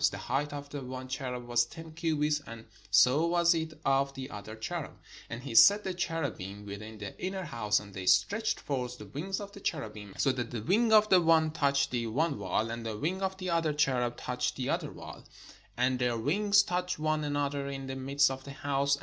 The height of the one cherub was ten cubits, and so was it of the other cherub. And he set the cherubim within the inner house: and they stretched forth the wings of the cherubim, so that the wing of the one touched the one wall, and the wing of the other cherub touched the other wall ; and their wings touched one an other in the midst of the house.